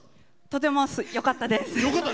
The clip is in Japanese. とてもよかったです。